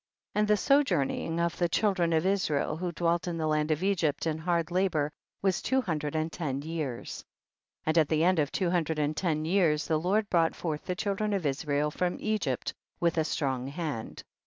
3. And the sojourning of the child dren of Israel, who dwelt in the land of Egypt in hard labor, was two hun dred and ten years. 4. And at the end of two hundred and ten years, the Lord brought forth the children of Israel from Egypt with a strong hand.